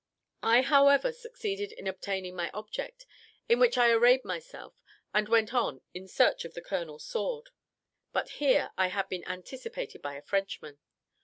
I, however, succeeded in obtaining my object; in which I arrayed myself, and went on in search of the colonel's sword; but here I had been anticipated by a Frenchman.